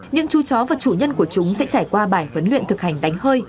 những chú chó và chủ nhân của chúng sẽ trải qua bài huấn luyện thực hành đánh hơi